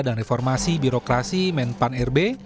dan reformasi birokrasi menpan rb